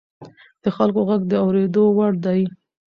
د خلکو غږ د اورېدو وړ دی